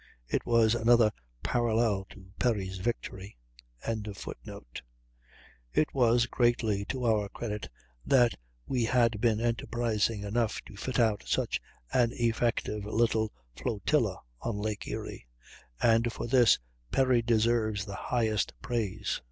It was another parallel to Perry's victory.] It was greatly to our credit that we had been enterprising enough to fit out such an effective little flotilla on Lake Erie, and for this Perry deserves the highest praise.